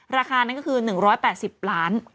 ราคานั้นก็คือ๑๘๐ล้าน